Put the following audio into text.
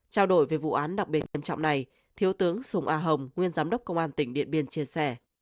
trao đổi về vụ án đặc biệt nghiêm trọng này thiếu tướng sùng a hồng nguyên giám đốc công an tỉnh điện biên chia sẻ